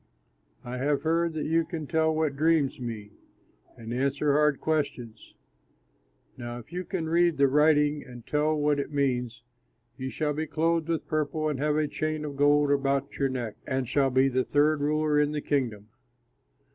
I have heard that you can tell what dreams mean and answer hard questions. Now if you can read the writing and tell what it means, you shall be clothed with purple and have a chain of gold about your neck and shall be the third ruler in the kingdom."